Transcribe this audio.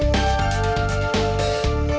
gua mau ke sana